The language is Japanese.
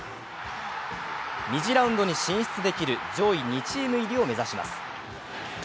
２次ラウンドに進出できる上位２チーム入りを目指します。